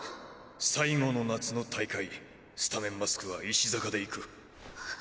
最後の夏の大会スタメンマスクは石坂でいく。